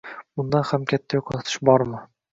— bundan ham katta yo‘qotish bormi?